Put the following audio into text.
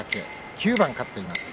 ９番、勝っています。